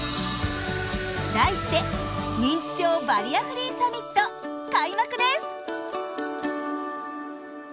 題して「認知症バリアフリーサミット」開幕です！